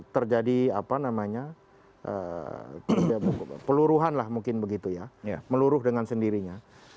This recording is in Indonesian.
terjadi peluruhan lah mungkin begitu ya meluruh dengan sendirinya